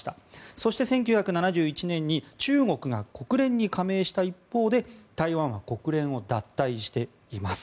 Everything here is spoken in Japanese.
そして１９７１年に中国が国連に加盟した一方で台湾は国連を脱退しています。